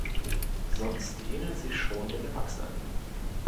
Sonst ähneln sie schon den Erwachsenen.